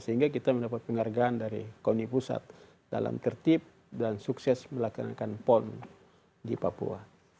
sehingga kita mendapat penghargaan dari komunikusat dalam tertib dan sukses melakukan pon di papua